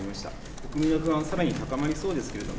国民の不安がさらに高まりそうですけれども。